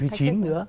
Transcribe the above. thứ chín nữa